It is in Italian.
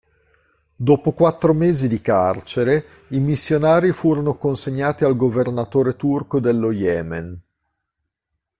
Dopo quattro mesi di carcere, i missionari furono consegnati al governatore turco dello Yemen.